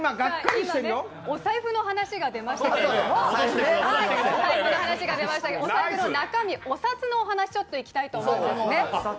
今、お財布の話が出ましたけれども、お財布の中身、お札の話に行きたいと思います。